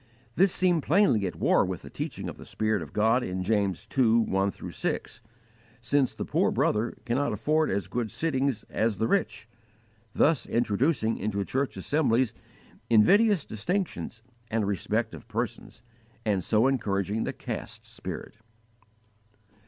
This seemed plainly at war with the teaching of the Spirit of God in James ii. 1 6, since the poor brother cannot afford as good sittings as the rich, thus introducing into church assemblies invidious distinctions and respect of persons, and so encouraging the caste spirit.